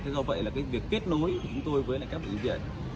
thế do vậy là cái việc kết nối chúng tôi với lại các bệnh viện